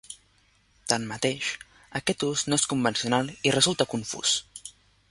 Tanmateix, aquest ús no és convencional i resulta confús.